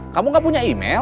kamu gak punya email